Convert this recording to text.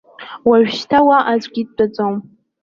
Уажәшьҭа уаҟа аӡәгьы дтәаӡом.